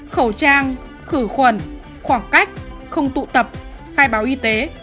khẩu trang khử khuẩn khoảng cách không tụ tập khai báo y tế